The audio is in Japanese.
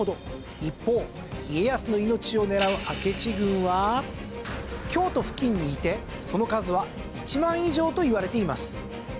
一方家康の命を狙う明智軍は京都付近にいてその数は１万以上といわれています。